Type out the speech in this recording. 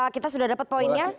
kita sudah dapat poinnya